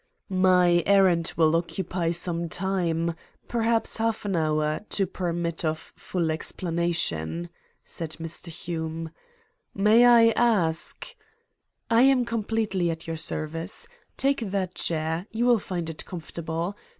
"My errand will occupy some time, perhaps half an hour, to permit of full explanation," said Mr. Hume. "May I ask " "I am completely at your service. Take that chair. You will find it comfortable.